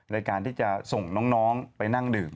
ในการที่จะส่งน้องไปนั่งดื่ม